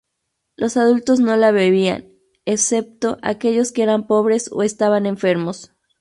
Los adultos no la bebían, excepto aquellos que eran pobres o estaban enfermos.